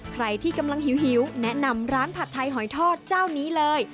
ใครที่กำลังหิวแนะนำร้านผัดไทยหอยทอดเจ้านี้เลย